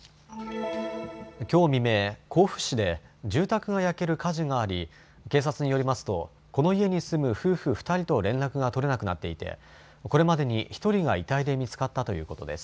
きょう未明、甲府市で住宅が焼ける火事があり警察によりますとこの家に住む夫婦２人と連絡が取れなくなっていてこれまでに１人が遺体で見つかったということです。